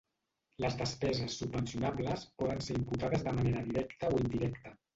Les despeses subvencionables poden ser imputades de manera directa o indirecta.